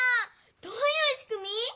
どういうしくみ？